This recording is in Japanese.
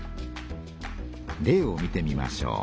例を見てみましょう。